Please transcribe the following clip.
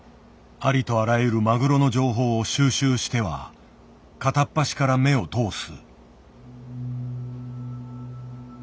ありとあらゆるマグロの情報を収集しては片っ端から目を通す。